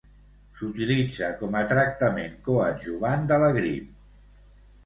S'utilitza com a tractament coadjuvant de la grip.